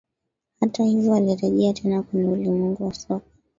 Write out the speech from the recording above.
Hata hivyo alirejea tena kwenye ulimwengu wa soka